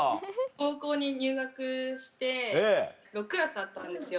高校に入学して６クラスあったんですよ。